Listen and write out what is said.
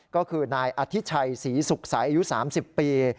ก็คือนายอธิชัยศรีสุขใสอายุ๓๐ปี